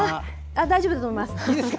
大丈夫だと思います。